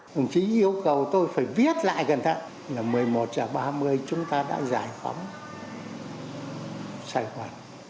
chính chí yêu cầu tôi phải viết lại gần thật là một mươi một h ba mươi chúng ta đã giải phóng giải phóng